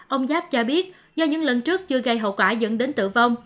ông giáp cho biết do những lần trước chưa gây hậu quả dẫn đến tử vong